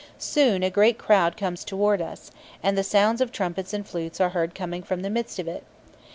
Soon a great crowd comes towards us, and the sounds of trumpets and flutes are heard coming from the midst of it.